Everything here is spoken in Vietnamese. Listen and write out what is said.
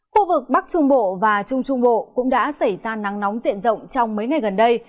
khu vực bắc trung bộ và trung trung bộ cũng đã xảy ra nắng nóng diện rộng trong mấy ngày gần đây